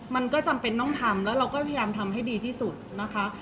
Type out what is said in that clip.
มันก็จำเป็นต้องทำแล้วเราก็พยายามทำให้ดีที่สุดนะคะ